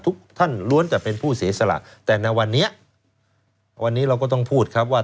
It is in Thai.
ทุกท่านล้วนแต่เป็นผู้เสียสละแต่ในวันนี้วันนี้เราก็ต้องพูดครับว่า